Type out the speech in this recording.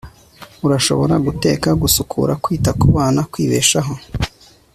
arashobora guteka, gusukura, kwita kubana be, kwibeshaho